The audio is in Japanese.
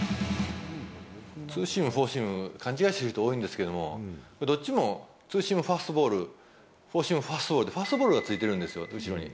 ツーシーム、フォーシーム、勘違いしている人多いんですけど、どっちもツーシームファストボール、フォーシームファストボールって、ファストボールがついてるんですよ、後ろに。